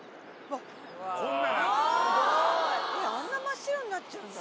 あんな真っ白になっちゃうんだ。